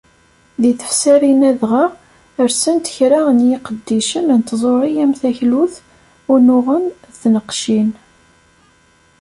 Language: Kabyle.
Deg tefsarin-a dɣa, rsen-d kra n yiqeddicen n tẓuri am taklut, unuɣen d tneqcin.